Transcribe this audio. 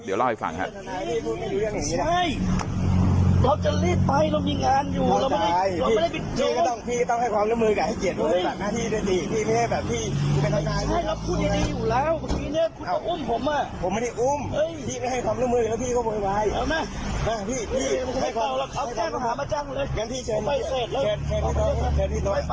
เราจะเร็ดไป